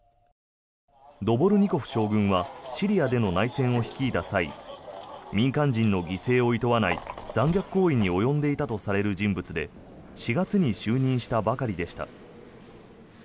ドボルニコフ将軍はシリアでの内戦を率いた際民間人の犠牲をいとわない残虐行為に及んだとされている人物で４月に就任したばかりでした。